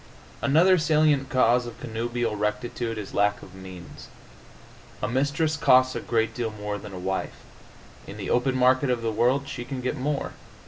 Another salient cause of connubial rectitude is lack of means. A mistress costs a great deal more than a wife; in the open market of the world she can get more.